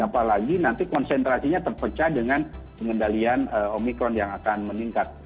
apalagi nanti konsentrasinya terpecah dengan pengendalian omikron yang akan meningkat